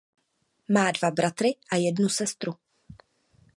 Má dva bratry a jednu sestru.